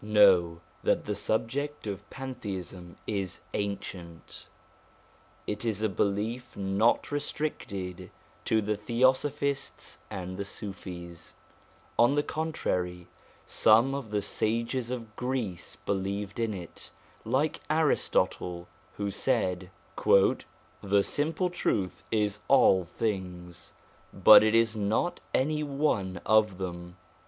Know that the subject of Pantheism is ancient : it is a belief not restricted to the Theosophists and the Sufis; on the contrary, some of the sages of Greece believed in it, like Aristotle, who said: 'The simple truth is all things, but it is not any one of them.'